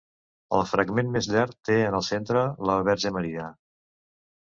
El fragment més llarg té en el centre la Verge Maria.